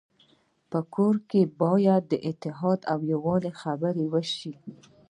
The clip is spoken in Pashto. په کور کي باید د اتحاد او يووالي خبري وسي.